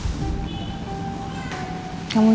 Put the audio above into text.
jangan sampai karena kamu emosi